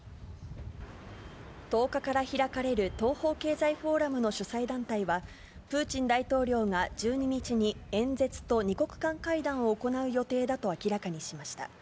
１０日から開かれる東方経済フォーラムの主催団体はプーチン大統領が１２日に演説と二国間会談を行う予定だと明らかにしました。